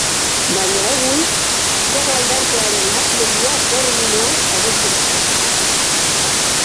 Baina egun gogo-aldartearen nahasmendua terminoa hobesten dute.